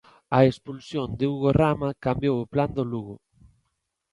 A expulsión de Hugo Rama cambiou o plan do Lugo.